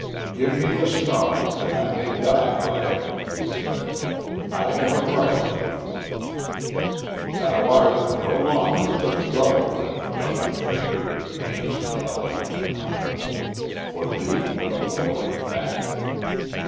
"Give me the Star, that I may die by it," he said. "I have a right to." "Thou art no longer of its Brotherhood, double traitor," answered Allah din Khan. "For thee, the boiling fat."